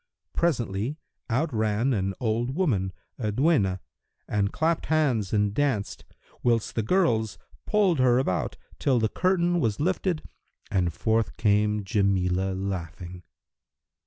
Presently, out ran an old woman, a duenna, and clapped hands and danced, whilst the girls pulled her about, till the curtain was lifted and forth came Jamilah laughing.